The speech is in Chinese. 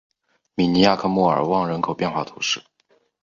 米尼亚克莫尔旺人口变化图示